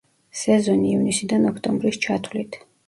სეზონი ივნისიდან ოქტომბრის ჩათვლით.